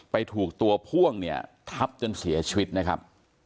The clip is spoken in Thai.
ถูกตัวพ่วงเนี่ยทับจนเสียชีวิตนะครับ